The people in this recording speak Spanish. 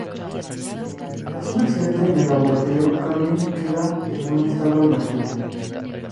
Tras un accidente en el laboratorio, Calvin queda en un estado inactivo.